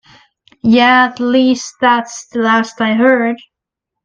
Yeah, at least that's the last I heard.